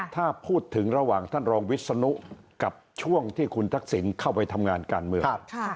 ถ้าพูดถึงระหว่างท่านรองวิศนุกับช่วงที่คุณทักษิณเข้าไปทำงานการเมือง